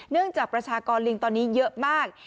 จากประชากรลิงตอนนี้เยอะมาก